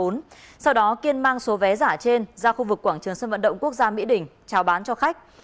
sau đó kiên mang số vé giả trên ra khu vực quảng trường sân vận động quốc gia mỹ đình trao bán cho khách